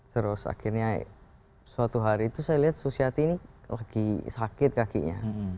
terus akhirnya suatu hari itu saya lihat susiati ini lagi sakit kakinya